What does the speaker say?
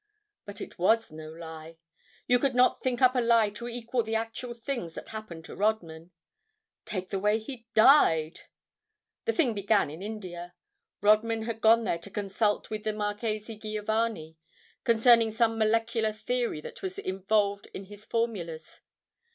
But it was no lie. You could not think up a lie to equal the actual things that happened to Rodman. Take the way he died!.... The thing began in India. Rodman had gone there to consult with the Marchese Giovanni concerning some molecular theory that was involved in his formulas.